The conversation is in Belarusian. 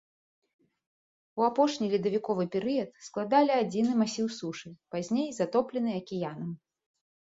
У апошні ледавіковы перыяд складалі адзіны масіў сушы, пазней затоплены акіянам.